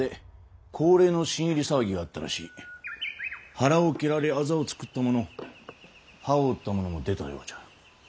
腹を蹴られあざを作ったもの歯を折ったものも出たようじゃ。